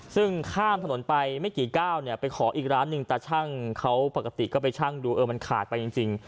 ซึ่งข้ามถนนไปไม่กี่ก้าวเนี่ยไปขออีกร้านหนึ่งตาช่างเขาปกติก็ไปชั่งดูเออมันขาดไปจริง